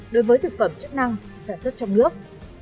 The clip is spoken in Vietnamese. đối với thực phẩm chức năng sản xuất trong nước